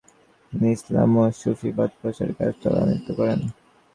তিনি ইসলাম ও সুফীবাদ প্রচার কাজ তরান্বিত করেন।